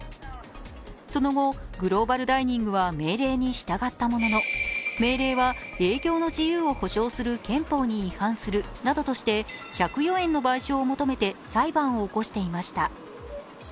その後、グローバルダイニングは命令に従ったものの命令は営業の自由を保障する憲法に違反するなどとして１０４円の賠償を求めて裁判を起こしていました。